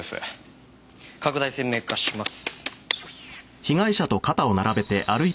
拡大鮮明化します。